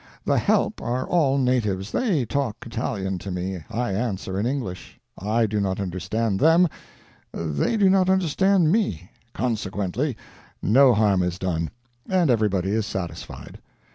The "help" are all natives; they talk Italian to me, I answer in English; I do not understand them, they do not understand me, consequently no harm is done, and everybody is satisfied.